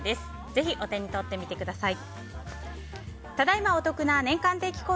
ぜひお手に取ってみてください。